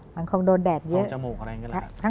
มันคงโดนแดดเยอะ